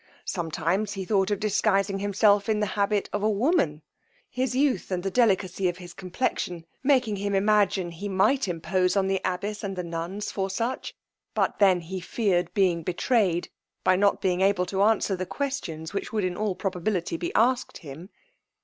Sometimes he thought of disguising himself in the habit of a woman, his youth, and the delicacy of his complexion making him imagine he might impose on the abbess and the nuns for such; but then he feared being betrayed, by not being able to answer the questions which would in all probability be asked him.